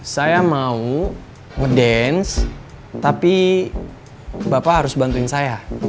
saya mau dance tapi bapak harus bantuin saya